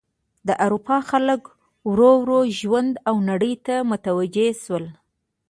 د اروپا خلک ورو ورو ژوند او نړۍ ته متوجه شول.